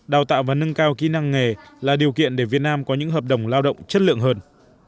đào tạo và nâng cao kỹ năng nghề là điều kiện để việt nam có những hợp đồng lao động chất lượng hơn